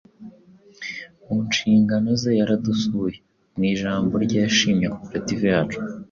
mu nshingano ze yaradusuye. Mu ijambo rye yashimye Koperative yacu,